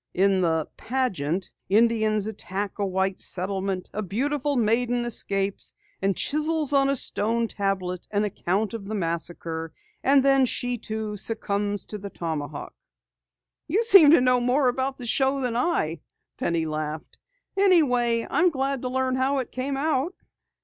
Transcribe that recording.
"In the pageant, Indians attack a white settlement. A beautiful maiden escapes, and chisels on a stone tablet an account of the massacre then she, too, succumbs to the tomahawk." "You seem to know more about the show than I," Penny laughed. "Anyway, I'm glad to learn how it came out!"